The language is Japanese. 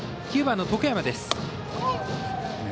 ９番の得山。